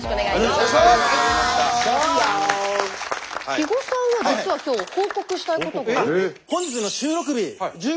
肥後さんは実は今日報告したいことが。